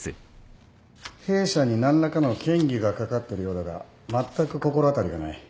弊社に何らかの嫌疑がかかってるようだがまったく心当たりがない。